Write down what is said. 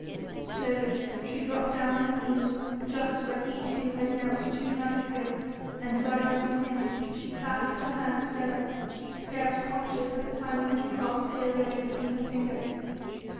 Slowly she dropped down on her knees just where he too had knelt two nights ago, and like unto him she clasped her hands together, scarce conscious that the tiny wooden cross still lay between her fingers.